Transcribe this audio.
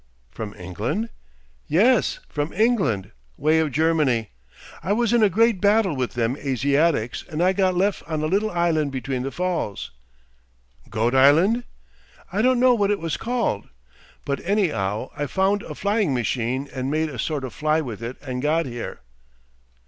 "From England?" "Yes from England. Way of Germany. I was in a great battle with them Asiatics, and I got lef' on a little island between the Falls." "Goat Island?" "I don' know what it was called. But any'ow I found a flying machine and made a sort of fly with it and got here."